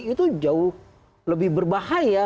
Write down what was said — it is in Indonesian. itu jauh lebih berbahaya